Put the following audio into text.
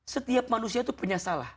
setiap manusia itu punya salah